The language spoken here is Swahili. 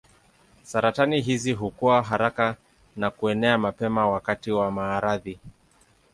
Saratani hizi hukua haraka na kuenea mapema wakati wa maradhi.